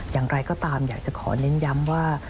อย่างไรก็ตามอยากจะขอเน้นย้ำว่า